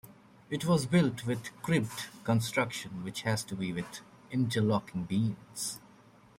It was built with "cribbed" construction, which has to do with interlocking bins.